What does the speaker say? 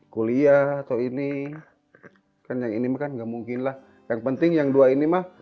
kuliah atau ini kan yang ini makan nggak mungkinlah yang penting yang dua ini mah